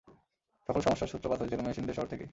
সকল সমস্যার সূত্রপাত হয়েছিল মেশিনদের শহর থেকেই।